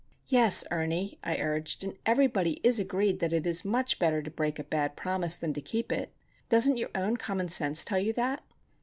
"Yes, Ernie," I urged. "And everybody is agreed that it is much better to break a bad promise than to keep it. Doesn't your own common sense tell you that?"